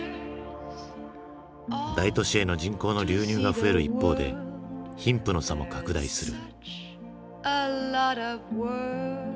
大都市への人口の流入が増える一方で貧富の差も拡大する。